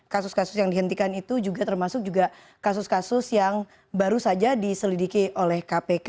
kasus kasus yang dihentikan itu juga termasuk juga kasus kasus yang baru saja diselidiki oleh kpk